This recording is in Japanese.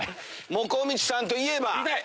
もこみちさんといえば！